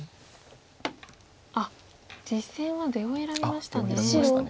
あっ実戦は出を選びましたね。